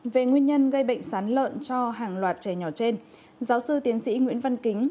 về nguyên nhân gây bệnh sán lợn cho hàng loạt trẻ nhỏ trên giáo sư tiến sĩ nguyễn văn kính